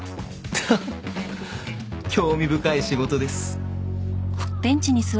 ハハッ興味深い仕事です。